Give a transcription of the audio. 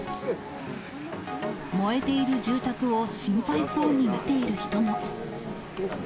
燃えている住宅を心配そうに見ている人も。